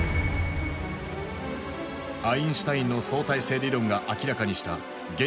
アインシュタインの相対性理論が明らかにした原子の力。